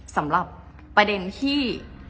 สำหรับประเด็นที่